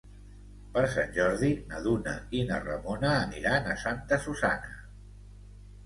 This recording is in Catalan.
Per Sant Jordi na Duna i na Ramona aniran a Santa Susanna.